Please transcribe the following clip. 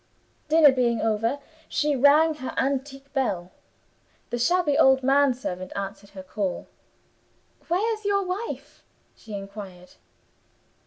Dinner being over, she rang her antique bell. The shabby old man servant answered her call. 'Where's your wife?' she inquired.